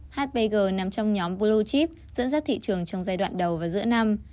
hbg nằm trong nhóm blue chip dẫn dắt thị trường trong giai đoạn đầu và giữa năm